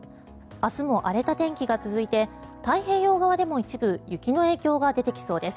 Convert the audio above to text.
明日も荒れた天気が続いて太平洋側でも一部雪の影響が出てきそうです。